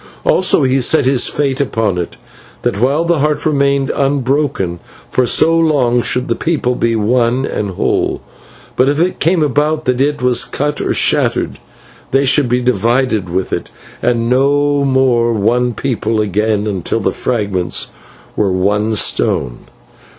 Also he set this fate upon it: that while the Heart remained unbroken, for so long should the people be one and whole; but if it came about that it was cut or shattered, they should be divided with it, to be no more one people until again the fragments were one stone.